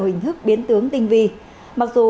hình thức biến tướng tinh vi mặc dù